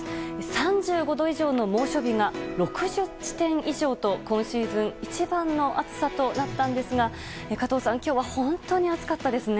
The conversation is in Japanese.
３５度以上の猛暑日が６０地点以上と今シーズン一番の暑さとなったんですが加藤さん今日は本当に暑かったですね。